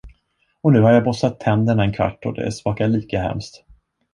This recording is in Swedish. Och nu har jag borstat tänderna en kvart och det smakar lika hemskt.